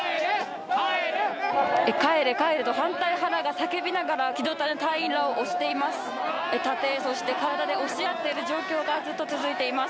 帰れ、帰れと反対派が叫びながら機動隊の隊員らを押しています。